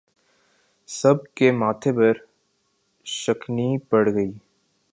سب کے ماتھے پر شکنیں پڑ گئیں